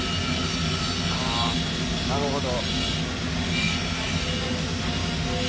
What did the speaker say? あなるほど。